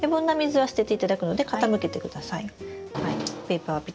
はい。